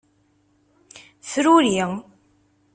Fruri.